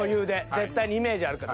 絶対にイメージあるから。